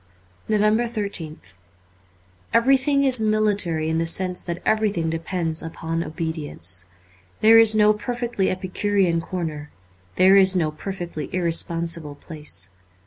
352 NOVEMBER 13th EVERYTHING is military in the sense that everything depends upon obedience. There is no perfectly epicurean corner ; there is no perfectly irresponsible place.